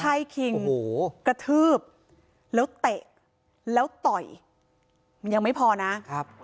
ใช่คิงโอ้โหกระทืบแล้วเตะแล้วต่อยมันยังไม่พอนะครับ